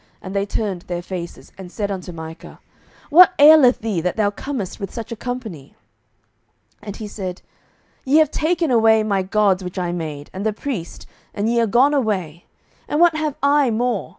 And they turned their faces, and said unto Micah, What aileth thee, that thou comest with such a company? 07:018:024 And he said, Ye have taken away my gods which I made, and the priest, and ye are gone away: and what have I more?